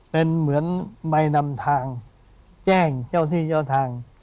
เป็นเหมือนไม่นำทางแจ้งเจ้าที่เจ้าทาง